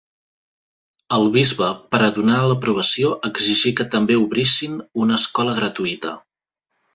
El bisbe, per a donar l'aprovació, exigí que també obrissin una escola gratuïta.